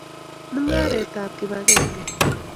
Mung'aret ab kipakenge